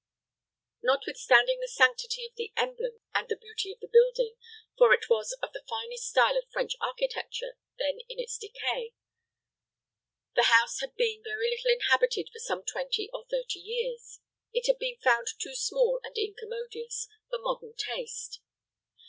Notwithstanding the sanctity of the emblem, and the beauty of the building for it was of the finest style of French architecture, then in its decay the house had been very little inhabited for some twenty or thirty years. It had been found too small and incommodious for modern taste.